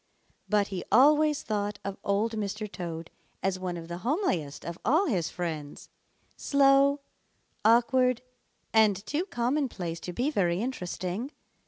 But he always thought of Old Mr. Toad as one of the homeliest of all his friends, slow, awkward, and too commonplace to be very interesting.